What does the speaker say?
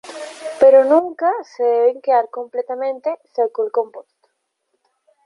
Pero nunca se deben quedar completamente seco el compost.